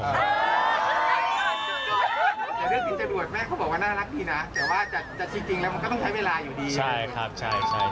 แต่เรื่องที่จะบวชแม่เขาบอกว่าน่ารักดีนะแต่ว่าจะจริงแล้วมันก็ต้องใช้เวลาอยู่ดีใช่ครับ